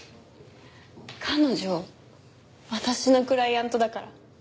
彼女私のクライアントだから。